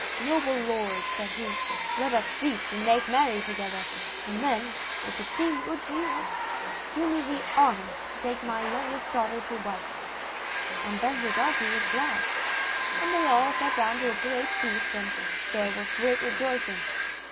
'Noble lord,' said he, 'let us feast and make merry together, and then, if it seem good to you, do me the honour to take my youngest daughter to wife.' And Bensurdatu was glad, and they all sat down to a great feast, and there were great rejoicings.